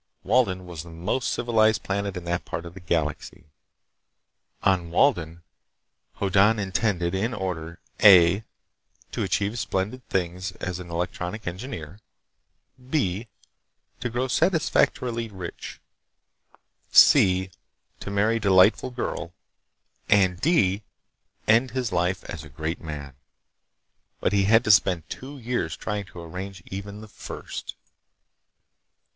Walden was the most civilized planet in that part of the galaxy. On Walden, Hoddan intended, in order (a) to achieve splendid things as an electronic engineer, (b) to grow satisfactorily rich, (c) to marry a delightful girl, and (d) end his life a great man. But he had to spend two years trying to arrange even the first.